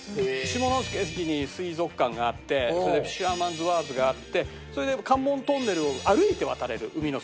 下関に水族館があってそれでフィッシャーマンズワーフがあってそれで関門トンネルを歩いて渡れる海の底を。